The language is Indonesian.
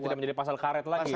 tidak menjadi pasal karet lagi